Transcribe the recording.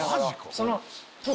その。